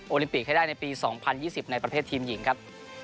ลิมปิกให้ได้ในปี๒๐๒๐ในประเภททีมหญิงครับ